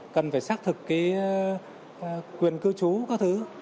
cần phải xác thực quyền cư trú các thứ